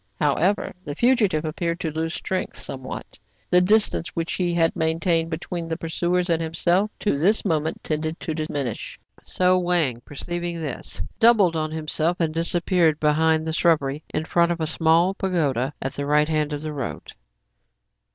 However, the fugitive appeared to lose strength somewhat: the distance which he had maintained between his pursuers and himself up to this moment tended to diminish. 146 TRIBULATIONS OF A CHIN AM AN, So Wang, perceiving this, doubled on himself, and disappeared behind the shrubbery in front of a small pagoda at the right of the road.